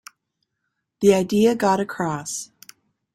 The idea got across.